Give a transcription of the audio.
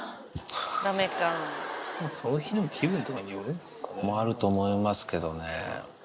その日の気分とかによるんであると思いますけどね。